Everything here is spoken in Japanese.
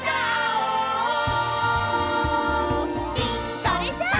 それじゃあ！